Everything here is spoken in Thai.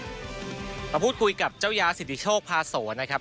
เราพูดคุยกับเจ้ายาสิทธิโชคพาโสนะครับ